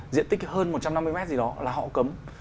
diện tích hơn một trăm năm mươi mét gì đó là họ cấm